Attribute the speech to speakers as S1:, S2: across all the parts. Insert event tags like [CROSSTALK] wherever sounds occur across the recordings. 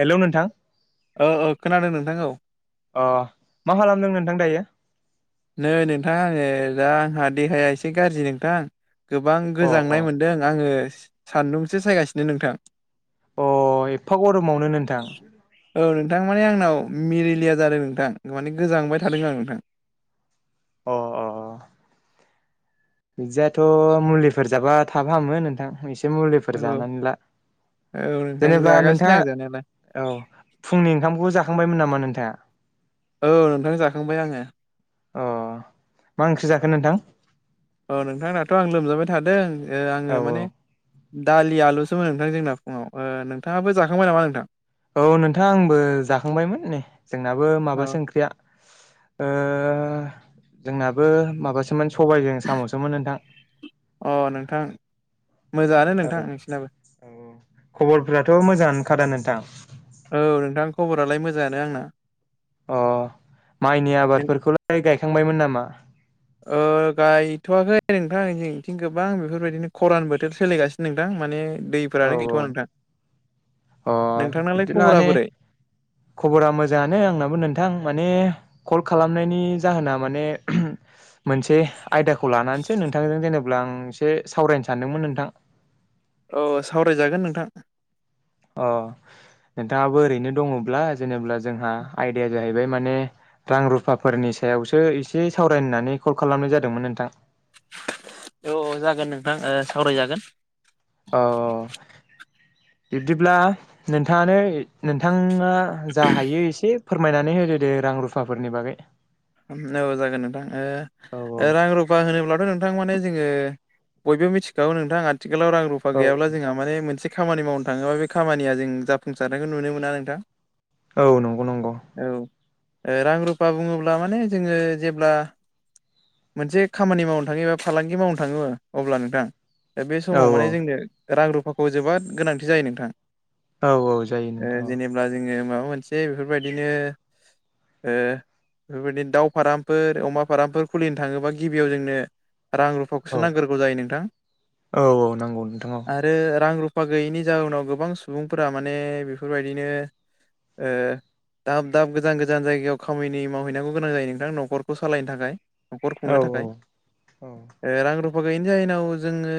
S1: Hello नोंथां
S2: औ औ खोनादों नोंथां औ।
S1: अ मा खालामदों नोंथां दायो?
S2: नै नोंथां आङो दा आंहा देहाया एसे गाज्रि नोंथां। गोबां
S1: अ अ
S2: गोजांनाय मोनदों आङो सान्दुंसो सायगासिनो नोंथां।
S1: अ एफा गरमावनो नोंथां।
S2: औ नोंथां माने आंनाव मिलेलिया जादों नोंथां माने गोजांबाय थादों आं नोंथां।
S1: अ अ बिदियाथ' मुलिफोर जाबा थाब हामो नोंथां एसे मुलिफोर
S2: औ
S1: जानानै ला।
S2: औ नोंथां
S1: जेनेबा
S2: जागासिनो आं
S1: नोंथाङा
S2: जानायालाय
S1: औ फुंनि ओंखामखौ जा खांबायमोन नामा नोंथाङा?
S2: औ नोंथां जाखांबाय आङो
S1: अ मा ओंख्रि जाखो नोंथां?
S2: औ नोंथां दाथ' आं लोमजाबाय थादों
S1: औ
S2: आङो
S1: औ
S2: माने। दालि आलुसोमोन नोंथां जोंना फुङाव नोंथाङाबो जाखांबाय नामा नोंथां?
S1: औ नोंथां आंबो जाखांबायमोन नै जोंनाबो
S2: औ
S1: माबासो ओंख्रिया। जोंनाबो माबासोमोन सबायजों साम'सोमोन नोंथां।
S2: अ नोंथां। मोजाङानो
S1: औ
S2: नोंथां नोंसिनाबो
S1: औ खबरफ्राथ' मोजाङानोखादा नोंथां?
S2: औ नोंथां खबरालाय मोजाङानो आंना।
S1: अ माइनि आबादफोरखौलाय गायखांबायमोन नामा?
S2: गायथ'वाखै नोंथां जोंनिथिं गोबां बेफोरबायदिनो खरान बोथोर सोलिगासिनो नोंथां माने।
S1: औ
S2: दैफोरानो गैथ'वा नोंथां
S1: अ
S2: नोंथांनालाय खबरा
S1: [UNINTELLIGIBLE]
S2: बोरै
S1: खबरा मोजाङानो आंनाबो नोंथां माने कल खालामनायनि जाहोना माने मोनसे आयदाखौ लानानैसो नोंथांजों जेनेबा अब्ला आं एसे सावरायनो सानदोंमोन नोंथां
S2: औ सावरायजागोन नोंथां
S1: अ नोंथाङाबो ओरैनो दङब्ला जेनेब्ला जोंहा आयदाया जाहैबाय माने रां रुफाफोरनि सायाव सायावसो एसे सावरायनो होननानै कल खालामनाय जादोंमोन नोंथां
S2: औ जागोन नोंथां सावरायजागोन
S1: औ बिब्दिब्ला नोंथाङानो नोंथाङा जा हायो एसे फोरमायनानै होदो दे रां रुफाफोरनि बागै
S2: औ जागोन
S1: औ
S2: नोंथां रां रुफा होनोब्लाथ' नोंथां नोंथां माने जोङो बयबो मिथिखागौ नोंथां आथिखालाव रां रुफा
S1: औ
S2: गैयाब्ला जोंहा माने मोनसे खामानि मावनो थाङोबा बे खामानिया जों जाफुंसारनायखौ नुनो मोना नोंथां
S1: औ नंगौ नंगौ
S2: औ रां रुफा बुङोब्ला माने जोङो जेब्ला मोनसे खामानि मावनो थाङो एबा फालांगि मावनो थाङो अब्ला नोंथां दा बे
S1: औ
S2: समाव
S1: औ
S2: माने जोंनो रां रुफाखौ जोबोद गोनांथि जायो नोंथां
S1: औ औ जायो नोंथां
S2: जेनेबा जोङो मा माबा मोनसे बेफोरबायदिनो बेफोरबायदिनो दाउ फारामफोर अमा फारामफोर खुलिनो थाङोबा गिबियाव जोंनो रां रुफाखौसो
S1: औ
S2: नांगोरगौ जायो नोंथां
S1: औ औ नांगौ नोंथां औ
S2: आरो रां रु अफा गैयैनि जाहोनाव गोबां सुबुंफोरा माने बेफोरबायदिनो दाब दाब गोजान गोजान जायगायाव खामानि मावहै गोना जायो नोंथां न'खरखौ सालायनो थाखाय न'खर
S1: औ
S2: खुंनो थाखाय
S1: औ
S2: रां फा गैयैनि जाहोनाव जोङो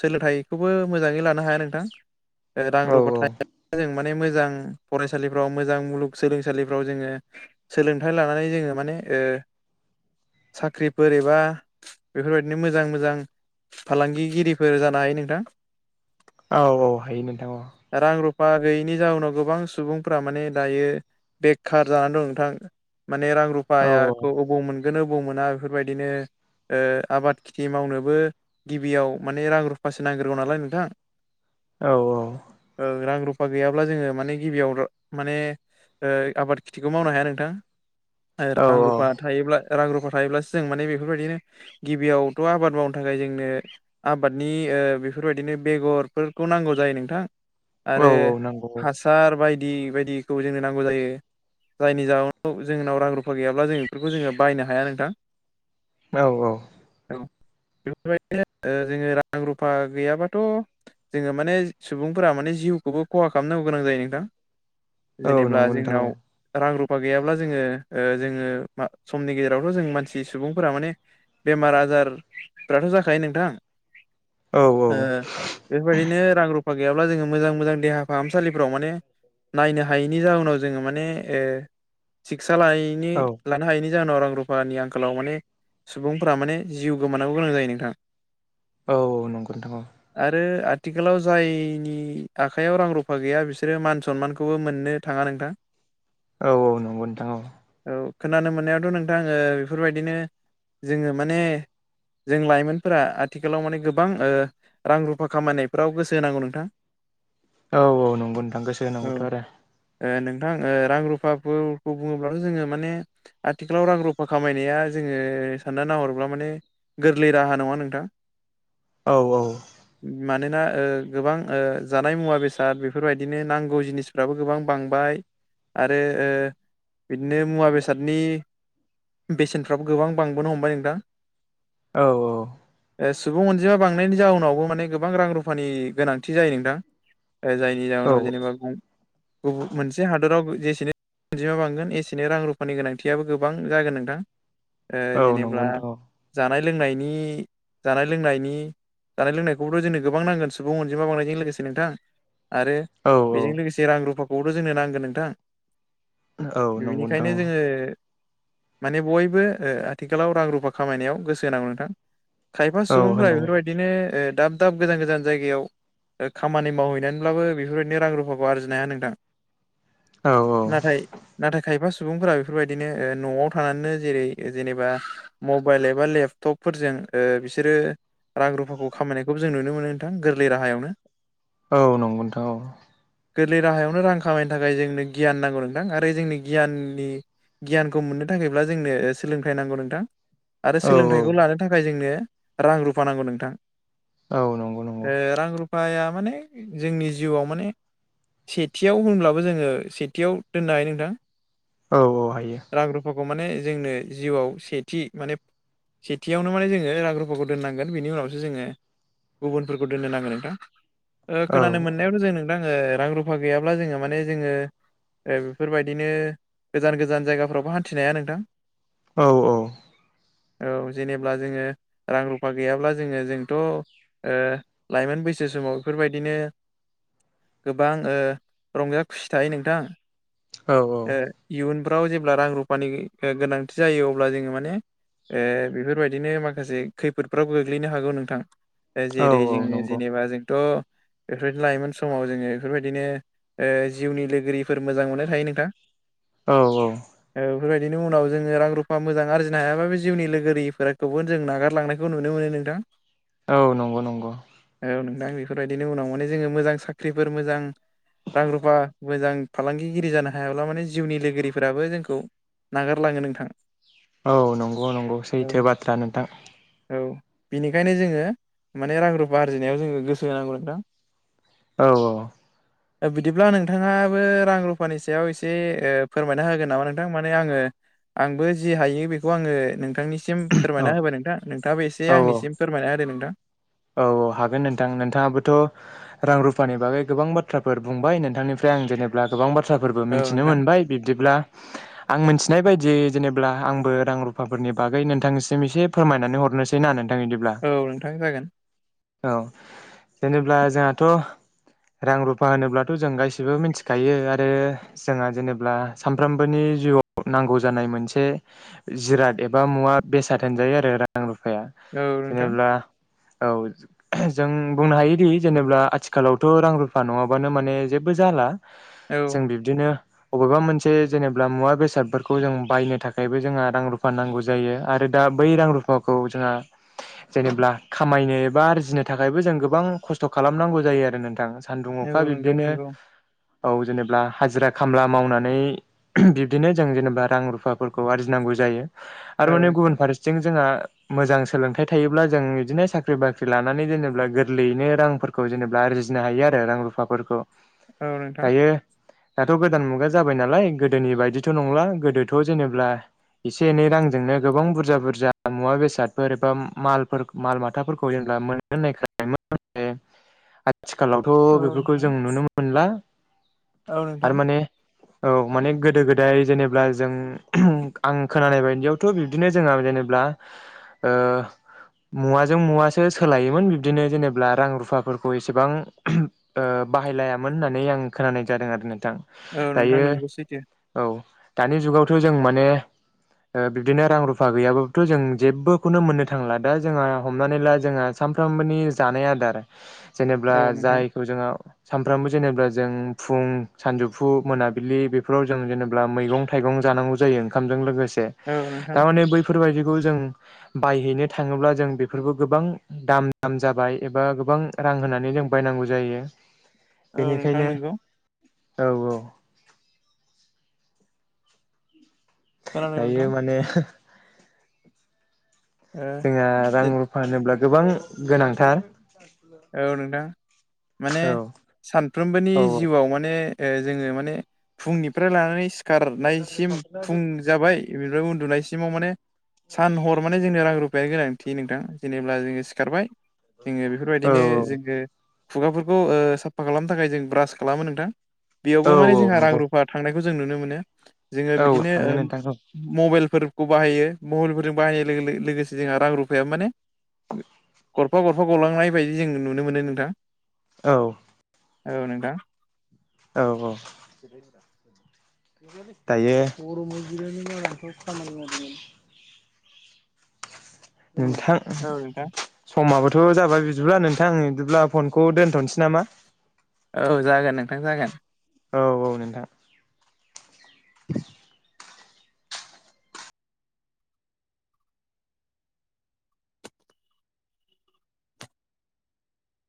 S2: सोलोंथाइखौबो मोजाङै लानो हाया नोंथां रां
S1: औ
S2: रुफा [UNINTELLIGIBLE] माने मोजां फरायसालिफ्राव मोजां मुलुगलोंसालिफोराव जों हाइ लानानै जोङो माने साख्रिफोर एबा बेफोरबायदिनो मोजां मोजां फालांगिगिरिफोर जानो हायो नोंथां
S1: औ औ हायो नोंथां औ
S2: बा गैयैनि जाउनाव गोबां सुबुंफोरा माने दायो बेखार जानानै दं नोंथां माने रां
S1: औ
S2: रुफायाखौ अबाव मोनगोन अबाव मोना बेफोरबायदिनो आबाद खेथि मावनोबो गिबियाव माने रां रुफासो नांग्रोगौ नालाय नोंथां
S1: औ औ
S2: ओ रां रुफा गैयाब्ला जोङो माने गिबियाव माने आबाद खिथिखौ मावनो हाया नोंथां।
S1: औ
S2: रां
S1: औ
S2: रुफा थायोब्ला रां रुफा थायोब्लासो जों माने बेफोरबायदिनो गिबियावथ' आबाद मावनो थाखाय जोंनो आबादनि बेफोरबायदिनो बेगरफोरखौ नांगौ जायो नोंथां।
S1: औ
S2: आरो
S1: औ नांगौ
S2: हासार बायदि बायदिखौ जोंनो नांगौ जायो जायनि जाहोनाव। जोंनाव रां रुफा गैयाब्ला जों बेफोरखौ जोङो बायनो हाया नोंथां
S1: औ औ
S2: औ बेफोरबायदिनो जोङो रां रुफा गैयाबाथ' जोङो माने सुबुंफोरा माने जिउखौबो खहा खालामनांगौ गोनां जायो नोंथां।
S1: औ
S2: जेनेबा
S1: नंगौ नोंथां
S2: जोंनाव रां रु गैयाब्ला जोङो जोङो समनि गेजेरावथ' जों मानसि सुबुंफोरा माने बेमार आ जाय फोराथ' जाखायो नोंथां
S1: औ
S2: बेफोरबायदिनो रां रुफा गैयाब्ला जोङो मोजां मोजां देहा फाहामसालिफ्राव माने नायनो हायैनि जाहोनाव जोङो माने सिखितसा लानायैनि
S1: औ
S2: लानो हायैनि जाहोनाव रां रुफानि आंखालाव माने सुबुंफोरा माने जिउ गोमानांगौ गोनां जायो नोंथां
S1: औ औ नंगौ नोंथां औ
S2: आरो आथिखालाव जायनि आखाइयाव रां रुफा गैया बिसोरो मान सनमानखौबो मोननो थाङा नोंथां
S1: औ औ नंगौ नोंथां औ
S2: औ खोनानो मोननायावथ' नोंथां आङो बेफोरबायदिनो जोङो माने जों लाइमोनफोरा आथिखालाव माने गोबां रां रुफा खामायनायफ्राव गोसो होनांगौ नोंथां
S1: औ औ नंगौ नोंथां गोसो
S2: ओ
S1: होनांगौथ' आरो
S2: नोंथां रां रुफाफोरखौ बुङो। अब्लाथ' जोङो माने आथिखालाव रां रुफा खामायनाया जोङो सानना नाहरोब्ला माने गोरलै राहा नङा नोंथां।
S1: औ औ
S2: मानोना गोबां जानाय मुवा बेसाद बेफोरबायदिनो नांगौ जिनिसफ्राबो गोबां बांबाय आरो बिदिनो मुवा बेसादनि बेसेनफ्राबो गोबां बांबोनो हमबाय नोंथां।
S1: औ औ
S2: ए सुबुं अनजिमा बांनायनि जाउनावबो माने गोबां रां रुफानि गोनांथि जायो नोंथां। जायनि
S1: औ
S2: जाहोनाव जेनेबा गुबुन मोनसे हादराव अनजिमा बांगोन एसेनो रां रुफानि गोनांथियाबो गोबां जागोन नोंथां।
S1: औ नंगौ
S2: जेनेब्ला
S1: नोंथां
S2: जानाय लोंनायनि जानाय लोंनायनि जानाय लोंनायखौबोथ' जोंनो गोबां नांगोन सुबुं अनजिमा बांनायजों लोगोसे नोंथां। आरो
S1: औ औ
S2: बेजों लोगोसे रां रुफाखौथ' जोंनो नांगोन नोंथां।
S1: औ नंगौ नोंथां
S2: बिनिखायनो जोङो माने बयबो आथिखालाव रां रुफा खामायनायाव गोसो होनांगौ नोंथां। खायफा
S1: औ
S2: सुबुंफ्रा
S1: होनांगौ
S2: बेफोरबायदिनो दाब दाब गोजान गोजान जायगायाव खामानि मावहैनानैब्लाबो बेफोरबायदिनो रां रुफाखौ आरजिनो हाया नोंथां।
S1: औ
S2: नाथाय नाथाय खायफा सुबुं सुबुंफोरा बेफोरबायदिनो न'आव थानानैनो जेरै जेनेबा मबाइल एबा लेपटपफोरजों बिसोरो रां रुफाखौ खामायनायखौबो जों नुनो मोनो नोंथां गोरलै राहायावनो
S1: औ नंगौ नोंथां ओ
S2: गोरलै राहायावनो रां खामायनो थाखाय जोंनो गियान नांगौ नोंथां आरो जोंनि गियाननि गियानखौ मोननो थाखायब्ला जोंनो सोलोंथायाइ नांगौ नोंथां। आरो
S1: औ औ
S2: सोलोंथाइखौ लानो थाखाय जोंनो रां रुफा नांगौ नोंथां।
S1: औ नंगौ नंगौ
S2: ए रां रुफा रुफाया माने जोंनि जिउआव माने सेथियाव होनब्लाबो जोङो खाथियाव दोननो हायो नोंथां।
S1: औ औ हायो
S2: रां रुफाखौ माने जोंनो जिउआव सेथि माने सेथियावनो माने जोङो रां रुफाखौ दोननांगोन बिनि उनावसो जोङो गुबुनफोरखौ दोननो नांगोन नोंथां।
S1: औ
S2: खोनानो मोननायावाथ' जों नोंथां जोंङो रां रुफा गैयाब्ला जोङो माने जोङो बेफोरबायदिनो गोजान गोजान जायगाफ्रावबो हान्थिनाया नोंथां।
S1: औ औ
S2: औ जेनेब्ला जोङो रां रुफा गैयाब्ला जोङो जोंथ' लाइमोन बैसो समाव बेफोरबायदिनो गोबां रंजा खुसि थायो नोंथां
S1: औ औ
S2: इयुन फोराव जेब्ला रां रुफानि गोनांथि जायो अब्ला जोङो माने ए बेफोरबायदिनो माखासे खैफोदफ्राव गोग्लैनो हागौ नोंथां।
S1: औ
S2: जेरै
S1: औ
S2: जोंङो
S1: नंगौ
S2: जेनेबा जोंथ' बेफोरबायदि लाइमोन समाव जोङो बेफोरबायदिनो जिउनि लोगोरिफोर मोजां मोननाय थायो नोंथां।
S1: औ औ
S2: बेफोरबायदिनि उनाव जोङो रां रुफा मोजां आरजिनो हायाबो जिउनि लोगोरिफोरखौबो जों नागारलांनायखौ नुनो मोनो नोंथां
S1: औ नंगौ नंगौ
S2: आं बेफोरबायदिनि उनाव माने जोङो मोजां साख्रिफोर मोजां रां रुफा मोजां फालांगिगिरि जानो हायाब्ला माने जिउनि लोगोरिफोराबो जोंखौ नागारलाङो नोंथां
S1: औ नंगौ नंगौ सैथो बाथ्रा नोंथां
S2: बिनिखायनो जोङो माने रां रुफा आरजिनायाव जोङो गोसो होनांगौ नोंथां
S1: औ औ
S2: बिदिब्ला नों नोंथाङाबो रां रुफानि सायाव एसे ओ फोरमायना होगोन नामा नोंथां माने आङो आंबो जि हायो बेखौ आङो नोंथांनि सिम फोरमायना होबाय नोंथां नोंथाङाबो एसे
S1: औ
S2: आंनिसिम फोरमायना होदो नोंथां
S1: औ औ हागोन नोंथां नोंथाङाबोथ' रां रुफानि बागै गोबां बाथ्राफोर बुंबाय नोंथांनिफ्राय आं जेनेबा गोबां बाथ्राफोरबो
S2: औ
S1: मोनथिनो
S2: नोंथां
S1: मोनबाय बिब्दिब्ला आं मोनथि मिथिनाय बायदियै जेनेब्ला आंबो रां रुफाफोरनि बागै नोंथांनिसिम एसे फोरमायनानै हरनोसै ना नों
S2: औ नोंथां जागोन
S1: औ जेनेब्ला जोंहाथ' रां रुफा होनोब्लाथ' जों गासिबो मिथिखायो आरो जोंहा जेनेबा सानफ्रोमबोनि जिउआव नांगौ जानाय मोनसे जिराद एबा मुवा बेसाद होनजायो आरो रां रुफा ओ
S2: औ नोंथां
S1: जेनेबा औ जों बुंनो हायोदि जेनेबा आथिखालावथ' रां रुफा नङाबानो माने जेबो बो जाला
S2: औ
S1: जों बिब्दिनो बबेबा मोनसे जेनेबा मुवा बेसादफोरखौ जों बायनो थाखायबो जोंहा रां रुफा नांगौ जायो आरो दा बै रां रुफाखौ जोंहा जेनेब्ला खामायनो एबा आरजिनो थाखायबो जों गोबां खस्थ' खालामनांगौ जायो आरो नोंथां सान्दुं
S2: औ
S1: अखा
S2: नोंथां
S1: बिब्दिनो
S2: नंगौ
S1: औ जेनेबा हाजिरा खामला मावनानै बिब्दिनो जों जेनेबा रां रुफाफोरखौ आरजिनांगौ जायो।
S2: औ
S1: आरो माने
S2: नोंथां
S1: गुबुन फारसेथिं जोंहा मोजां सोलोंथाइ थायोब्ला जों बिदिनो साख्रि बाख्रि लानानै जेनेबा गोरलैयैनो रांफोरखौ जेनेबा आरजिनो हायो आरो रां रुफाफोरखौ
S2: औ नोंथां
S1: दायो दाथ' गोदान मुगा जाबाय नालाय गोदोनि बायदिथ' नंला गोदोथ' जेनेब्ला एसे एनै रांजोंनो गोबां बुरजा बुरजा मुवा बेसादफोर एबा मालफोर माल माथाफोरखौ जेनब्ला मोनगोननायखाय [UNINTELLIGIBLE]
S2: औ
S1: आथिखालावथ' बेफोरखौ
S2: नोंथां
S1: जों नुनो मोनला
S2: औ नोंथां
S1: आरो माने औ माने गोदो गोदाय जेनेब्ला जों आं खोनानाय बायदियावथ' बिब्दिनो जोंहा जेनेब्ला ओ मुवाजों मुवासो सोलायोमोन बिबदिनो जेनेब्ला रां रुफाफोरखौ एसेबां ओ बाहाय मिलायामोन होननानै आं खोनानाय जादों आरो नोंथां
S2: औ नोंथां
S1: दायो
S2: नोंगौ सैथो
S1: औ दानि जुगावथ' जों माने ओ बिबदिनो रां रुफा गैयाबाबोथ' जों जेबोखौनो मोननो थांला दा जोङा हमनानै ला जोङा सानफ्रामबोनि जानाय आदार जेनेब्ला
S2: औ नोंथां
S1: जायखौ जोङो सानफ्रामबो जेनेबा जों फुं सानजौफु मोनाबिलि बेफोराव जों जेनेबा मैगं थाइगं जानांगौ जायो ओंखामजों लोगोसे
S2: औ नोंथां
S1: दा मानि बैफोरबायदिखौ जों बायहैनो थाङोब्ला जों बेफोरबो गोबां दाम दाम जाबाय एबा गोबां रां होनानै जों बायनांगौ जायो।
S2: औ नोंथां
S1: बेनिखायनो
S2: नोंगौ।
S1: औ औ
S2: खोनादों नोंथां
S1: दायो माने
S2: ओ
S1: जोंहा रां रुफा होनोब्ला गोबां गोनांथार
S2: औ नोंथां माने
S1: औ
S2: सानफ्रोमबोनि
S1: औ
S2: जिउआव माने। ओ जोङो माने फुंनिफ्राय लानानै खारनायसिम फुं जाबाय बेनिफ्राय उन्दुनायसिमाव माने। सान हर माने जोंनो रां रुफानो गोनांथि नोंथांथि जेनेबा जोङो सिखारबाय जोङो बेफोर
S1: औ
S2: बायदिनो जोङो खुगाफोरखौ साफा खालामनो थाखाय जों ब्रास खालामो नोंथां।
S1: औ
S2: बेयावबो माने
S1: औ
S2: जोंहा रां
S1: नंगौ
S2: रुफा थांनायखौ जों नुनो मोनो। जोङो
S1: औ
S2: बिदिनो
S1: थाङो नोंथां औ
S2: मबेलफोर खौ बाहायो मबेलफोरजों बाहायनाय लोगोसे जोंहा रां रुफाया माने। गरफा गरफा गलांनाय बायदि जों नुनो मोनो नोंथां।
S1: औ।
S2: औ नोंथां।
S1: औ औ। दायो [INAUDIBLE] नोंथां
S2: औ नोंथां
S1: समाबो थ' जाबाय बिदिब्ला नोंथां आं बिदिब्ला फनखौ दोन्थ'नोसै नामा?
S2: औ जागोन नोंथां जागोन।
S1: औ औ नोंथां।